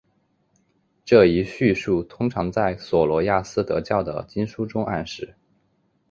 这一叙述通常在琐罗亚斯德教的经书中暗示。